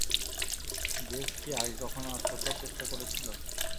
JS কি আগে কখনো আত্মহত্যার চেষ্টা করেছিল?